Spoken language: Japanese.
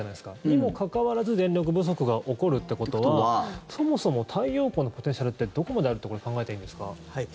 にもかかわらず電力不足が起こるということはそもそも太陽光のポテンシャルってどこまであるって考えていいんですか？